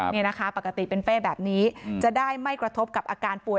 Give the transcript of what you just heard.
นี่นะคะปกติเป็นเป้แบบนี้จะได้ไม่กระทบกับอาการป่วย